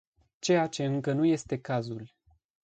Ceea ce încă nu este cazul.